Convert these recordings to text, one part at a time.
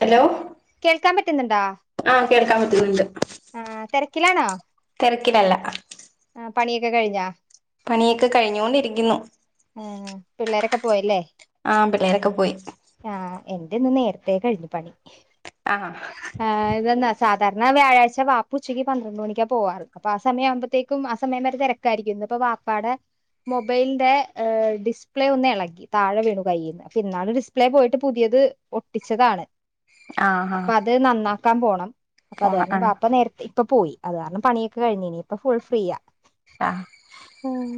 Hello കേൾക്കാം പറ്റുന്ന്ണ്ടോ? ആഹ് കേൾക്കാൻ പറ്റുന്ന്ണ്ട്. അ തെരക്കിലാണോ? തെരക്കിലല്ല. ആ പണിയൊക്കെ കഴിഞ്ഞാ? പണിയൊക്കെ കഴിഞ്ഞോണ്ടിരിക്കുന്നു. ഉം. പിള്ളേരൊക്കെ പോയി അല്ലേ? ആ പിള്ളേരൊക്കെ പോയി. ആഹ് എൻ്റെ ഇന്ന് നേരത്തേ കഴിഞ്ഞു പണി. ആഹ് ആ ഇതന്നാ സാധാരണ വ്യാഴാഴ്ച്ച വാപ്പുഉച്ചക്ക് പന്ത്രണ്ട് മണിക്ക പോവാറ് അപ്പൊ ആ സമയ ആവുമ്പോഴത്തേക്ക് ക്കും അസമയം വരെ തിരക്കായിയിരിക്കുന്നു ഇന്ന്പ്പൊ വാപ്പാടെ മൊബൈലിന്റെ് ഏ ഡിസ്പ്ലേ ഒന്ന് ഇളകി താഴെ വീണു കൈയ്യിന്ന് അപ്പൊ എന്നാണ് ഡിസ്പ്ലേ പോയിട്ട് പുതിയത് ഒട്ടിച്ചതാണ് ആ ആ അപ്പൊ അത് നന്നാക്കാം പോണ അപ്പ അത് പോണ കാരണം പാപ്പ ആ നേരത്തെ ഇപ്പൊ പോയി അത് കാരണം പണിയൊക്കെ കഴിഞ്ഞീനീ ഇപ്പൊ ഫുൾ ഫ്രീയാ ആ ഉം.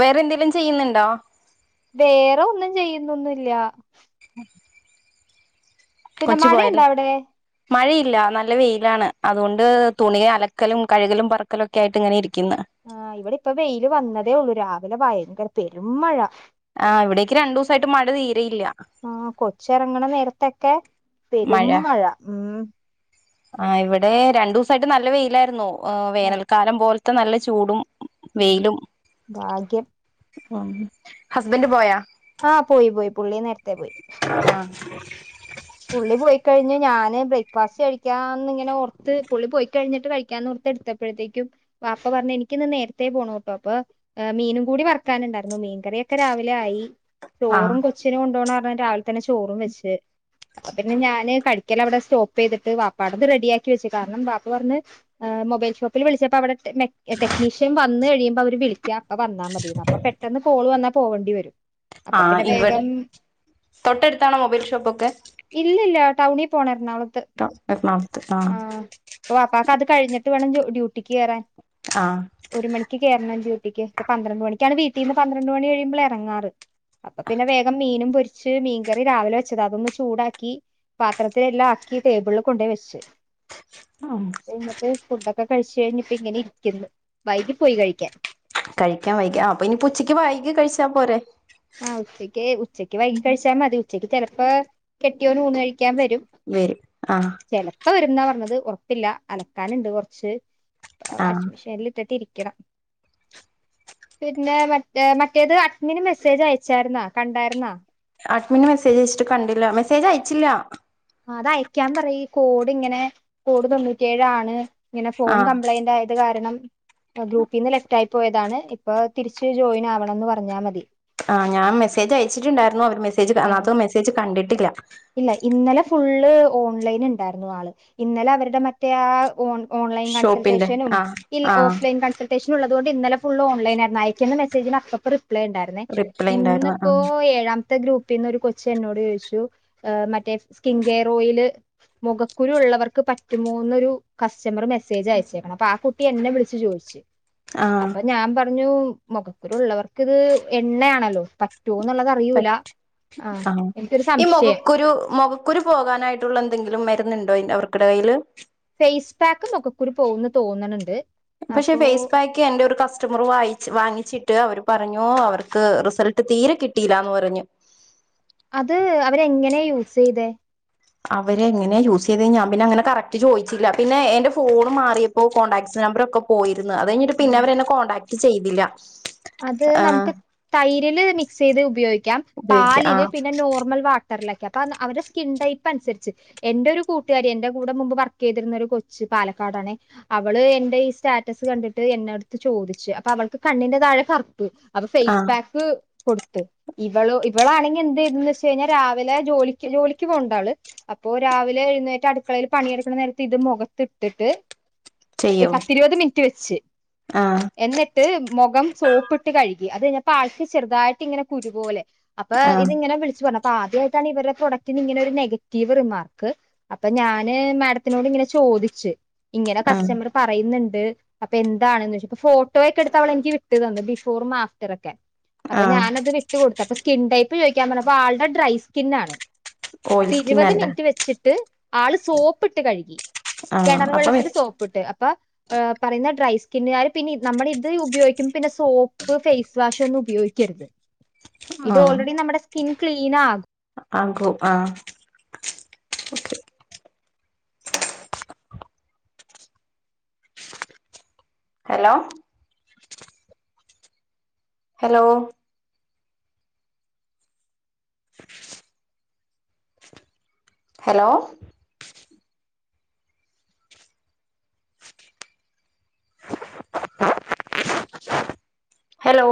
വേറെന്തേലും ചെയ്യുന്ന്ണ്ടോ? വേറെ ഒന്നും ചെയ്യുന്നൊന്ന്ല്ല ഉം പിന്നെ കൊച്ച് പോയടി മഴയുണ്ടോ അവിടെ മയയില്ല നല്ല വെയിലാണ് അതുകൊണ്ട് തുണിയെ അലക്കലും കഴുകലും പറക്കലുംക്കെയായിട്ട് ഇങ്ങനെ ഇരിക്കുന്ന്. ആഹ് ഇവിടെ ഇപ്പ വെയില് വന്നതേ ഉള്ളൂ രാവിലെ വയങ്കരപെരും മഴ ആ ഇവിടേക്ക് രണ്ടു ദിവസായിട്ട് മഴ തീരെയില്ല ആ കൊച്ചറങ്ങണ നേരത്തൊക്കെ പെരും മഴ ഉം. ആ ഇവടെ രണ്ടുസായിട്ട് നല്ല വെയിലായിരുന്നു അ് വേനൽക്കാലം പോലത്തെ നല്ല ചൂടും ഉം വെയിലും ഭാഗ്യം ഹ്മ് ഹസ്ബൻഡ് പോയോ ആ പോയി പോയി പുള്ളി നേരത്തെ പോയി. ആ പുള്ളി പോയി കഴിഞ്ഞ് ഞാന് ബ്രേക്ക്ഫാസ്റ്റ് കഴിക്കാന്ന്ങ്ങനെ ഓർത്ത് പുള്ളി പോയിക്കഴിഞ്ഞിട്ട് കഴിക്കാന്ന് ർത്ത്ത്തെടുത് പ്പോഴത്തേക്കും വാപ്പ പറഞ്ഞ എനിക്കിന്ന് നേരത്തെേ പോണോട്ട അപ്പൊ ഏ മീനുംകൂടി വറുക്കാന്ണ്ടായിരുന്നു മീൻകറിയൊക്കെ രാവിലെ ആയി ആ ചോറും കൊച്ചിന് കൊണ്ടോണാറ്ണം രാവിലെ തന്നെ ചോറും വെച്ച് അപ്പപിന്നെ ഞാന് കഴിക്കല അവിടെ സ്റ്റോപ്പ് ചെയ്തിട്ട് വാപ്പ അടത്റെഡിയാക്കി വെച്ചു കാരണം വാപ്പ പറഞ്ഞ് ആ മൊബൈൽ ഷോപ്പിൽ വിളിച്ചപ്പോ അവടെ ടെക് നെക് എ ടെക്നീഷ്യംവന്ന് കഴിയുമ്പൊ അവര് വിളിക്കാ അപ്പ വന്നാ മതിന്ന് അപ്പൊ പെട്ടെന്ന് കോള് വന്നാ പോകണ്ടി വരും അപ്പൊ ആഹ് പിന്നെ ഇവിടെ വേഗം തൊട്ടടുത്താണോ മൊബൈൽ ഷോപൊക്കെ ഇല്ല ഇല്ല ടൗണിൽ പോണം എറണാകുളത്ത് [unintelligible] എറണാകുളത്ത് ആഹ് വാപ്പാക്ക് അത് കഴിട്ട് വേണം ഡ്യു ഡ്യൂട്ടിക്ക് കേറാൻ ആഹ് ഒരു മണിക്ക് കേറണം ഡ്യൂട്ടിക്ക് ഇപ്പ പന്ത്രട്മണിക്കാണ് വീട്ടീന്ന് പന്ത്രണ്ട് മണി കഴിയുമ്പളെ എറങ്ങാറ് അപ്പൊ പിന്നെ വേഗം മീനും പൊരിച്ച് മീൻ കറി രാവിലെ വ [unintelligible] അതൊന്ന് ചൂടാക്കി പാത്രത്തിൽ എല്ലാം ആക്കി ടേബിളിൽ കൊണ്ടയ് വെച്ചു ഉം എന്നിട്ട് ഫുഡൊക്കെ കഴിച്ചഴിഞ്ഞിപ്പങ്ങനെ ഇരിക്ക്‌ന്ന് വൈകി പോയി കഴിക്കാൻ കഴിക്കാൻ വൈകി ആ അപ്പൊനി ഉച്ചക്ക് വൈകി കഴിച്ചാ പോരെ ആഹ് ഉച്ചയ്ക്ക് ഉച്ചക്ക് വൈകി കഴിച്ചാ മതി ഉച്ചക്ക് ചെലപ്പോ കെട്ടിയോന് ഊണ് കഴിക്കാൻ വരും വരും ആഹ് ചെലപ്പം വരുന്നാ പറഞ്ഞത് ഉറപ്പില്ല അലക്കാനുണ്ട് കുറച്ച് ആഹ് വാഷിംഗ് മെഷീനൽ ഇട്ടിട്ട് ഇരിക്കണം പിന്നെ മറ്റ മറ്റേത് അഡ്മിന് മെസ്സേ സ്സേജ് അയച്ചായിരുന്നാ കണ്ടായിരുന്നോ അഡ്മിന് മെസ്സേജ് അയച്ചിട്ട് കണ്ടില്ല മെസ്സേജ് അയച്ചില്ല അത് അയക്കാൻ പറയ് കോഡ് ഇങ്ങനെ കോട് തൊണ്ണൂറ്റി ഏഴ് ആണ് ഇങ്ങനെ ഫോൺ ആഹ് കംപ്ലൈന്റ് ആയത് കാരണം ഗ്രൂപ്പിൽ നിന്ന് ലെഫ്റ്റ് ആയി പോയതാണ് ഇപ്പൊ തിരിച്ച് ജോയിൻ ആവണംന്ന് പറഞ്ഞാൽ മതി ആഹ് ഞാൻ മെസേജ് അയച്ചിട്ടുണ്ടായിരുന്നു അവര് മെസ്സേജ് ആ അതനാത്ത മെസ്സേജ് കണ്ടിട്ടില്ല ഇല്ല ഇന്നലെ ഫുള്ള് ഓൺലൈൻ ഉണ്ടായിരുന്നു ആള് ഇന്നലെ അവരുടെ മറ്റേ ആ ഓൺ ഓൺലൈൻ ഷോപ്പിന്റെ കൺസൽട്ടേഷനും ആഹ് ഇൽ ആഹ് ഓഫ് ലൈൻ കൺൻസൽ ഷനും ഉള്ളത് കൊണ്ട് ഇന്നലെ ഫുൾ ഓൺലൈനായിരുന്നു. അയക്കുന്ന മെസേജിന് അപ്പപ്പ റിപ്ലൈണ്ടായിരുന്നു റിപ്ലൈ ഉണ്ടായിരുന്നു ഇന്നിപ്പോ ആഹ് ഏഴാമത്തെ ഗ്രൂപ്പിന്ന് ഒരു കൊച്ച് എന്നോട് ചോയ്ച്ചു മറ്റേ സ്കിൻ കെയർ ഓയില് മൊഖക്കുരു ഉള്ളവർക്ക് പറ്റുമോന്നൊരു കസ്റ്റമർ മെസ്സേജ് അയച്ചേക്കണ്. അപ്പോ ആ കുട്ടി എന്നെ വിളിച്ചു ചോയ്ച്ച് ആഹ് അപ്പ ഞാൻ പറഞ്ഞു. മൊഖക്കുരുള്ളവർക്ക്ത് എണ്ണയാണല്ലോ പറ്റോന്നുള്ളത് അറിയൂല പറ്റ് ആഹ് അഹ് എനിക്കൊരു ഈ സംശയം മൊഖക്കുരു മൊക കുരു പോകാനായിട്ടുള്ള എന്തെങ്കിലും മരുന്നുണ്ടോ ഇൻ അവർക്കടെ കയ്യില് ഫേസ് പാക്ക് മൊഖക്കുരു പോകുംന്ന് തോന്നണ് ണ്ട് പക്ഷേ ഫേസ്പാക്ക് ക്ക് എന്റെ ഒരു കസ്റ്റമറ് വായിച്ച് വാങ്ങിച്ചിട്ട് അവര് പറഞ്ഞു അവർക്ക് റിസൾട്ട് തീരെ കിട്ടിയില്ലാന്ന് പറഞ്ഞു. അത് അവര് എങ്ങനെ യൂസ്യ്തെ? അവരെങ്ങനെ യൂസ്യ്തേ ഞാൻ പിന്നെ അങ്ങനെ കറക്ട് ചോയിച്ചില്ല. പിന്നെ എന്റെ ഫോൺ മാറിയപ്പോ കോൺടാക്ട് നമ്പർ ഒക്ക പോയിരുന്ന് അത് കഴിഞ്ഞിട്ട് ഉം. പിന്നെ അവരെന്നെ കോൺടാക്ട് ചെയ്തില്ല. അത് ആഹ് നമുക്ക് തൈരില് മിക്സ് ചെയ്ത് ഉപയോഗിക്കാം. ഉപയോഗിക്ക പാലില് ആഹ് പിന്നെ നോർമൽ വാ ട്ടറിലൊക്കെ അപ്പ അവർടെ സ്കിൻ ടൈപ്പ് അനുസരിച്ച് എന്റെ ഒരു കൂട്ടുകാരി എന്റെ കൂടെ മുമ്പ് വർക്ക് ചെയ്തിരുന്ന ഒരു കൊച്ച് പാലക്കാടാണേ അവള് എന്റെ ഈ സ്റ്റാറ്റസ് കണ്ടിട്ട് എന്ന അടുത്ത് ചോദിച്ച്. അപ്പ അവൾക്ക് കണ്ണിന്റെ താഴെ കറപ്പ് അപ്പ ഫേസ് ആഹ് പാക്ക് കൊടുത്ത്. ഇവളോ ഇവളാണെങ്കിൽ എന്ത് ചെയ്തന്ന് വെച്ച് കഴിഞ്ഞാ രാവിലെ ജോലിക്ക് ജോലിക്ക് പോണ് ണ്ട് ആള് അപ്പോ രാവിലെ എഴുന്നേറ്റ് അടുക്കളയിൽ പണിയെടുക്കുന്ന നേരത്ത് ഇത് മൊഖത്ത് ഇട്ടിട്ട് ചെയ്യോ പത്ത് ഇരുപത് മിനിറ്റ് വെച്ച് ആഹ് എന്നട്ട് മൊഖം സോപ്പിട്ട് കഴുകി. അത് കഴിഞ്ഞപ്പോ ആൾക്ക് ചെറുതായിട്ട് ഇങ്ങനെ കുരുപോലെ. അപ്പ ഇത് ആഹ് ഇങ്ങനെ വിളിച്ച് പറഞ്ഞ് അപ്പ ആദ്യമായിട്ടാണ് ഇവരുടെ പ്രൊഡക്ടിന് ഇങ്ങനെ ഒരു നെഗറ്റീവ് റിമാർക്ക് അപ്പ ഞാന് മാഡത്തിനോട് ഇങ്ങനെ ചോദിച്ച് ഇങ്ങനെ ആഹ് കസ്റ്റമർ പറയുന്നുണ്ട്. അപ്പ എന്താണെന്ന് ചോച്ച്. അപ്പ ഫോട്ടോയൊക്കെ എടുത്ത് അവളെനിക്ക് വിട്ട് തന്ന്‌ ബിഫോറും ആഫ്റ്റർ ഒക്കെ അപ്പ ആഹ് ഞാനത് വി ട്ട് കൊടുത്ത് അപ്പ സ്കിൻടൈപ്പ് ചോദിക്കാൻ പറഞ്ഞപ്പോ ആൾടെ ഡ്രൈ സ്കിന്നാണ്. അപ്പ ഓയിൽ സ്കിൻ ഇരുപത് അല്ലേ മിനിറ്റ് വെച്ചിട്ട് ആള് സോപ്പിട്ട് കഴുകി ആഹ് കെണറ് അപ്പം വെള്ളത്തില് സോ പ്പ്‌ട്ട് അപ്പ ഏഹ് പറയുന്ന ഡ്രൈ സ്കിന്ന് കാര് പിന്നെ നമ്മടെ ഇത് ഉപയോഗിക്ക്മ്പ പിന്നെ സോപ്പ് ഫേസ് വാഷ് ഒന്നും ഉപയോഗിക്കരുത്. ഇത് ഓൾറെഡി നമ്മടെ സ്കിൻ ക്ലീനാ ആക്കും. ആഹ് ഹലോ ഹലോ [inaudible] ഹലോ ഹലോ